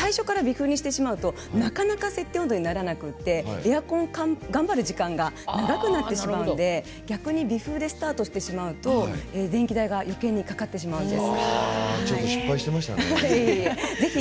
最初から微風にするとなかなか設定温度にならなくて頑張る時間が長くなってしまうので微風でスタートすると電気代がよけいにかかってしまいます。